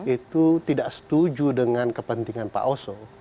itu tidak setuju dengan kepentingan pak oso